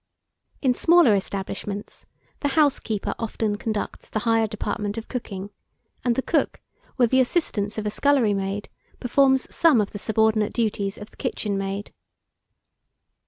In smaller establishments, the housekeeper often conducts the higher department of cooking (see 58, 59, 60), and the cook, with the assistance of a scullery maid, performs some of the subordinate duties of the kitchen maid.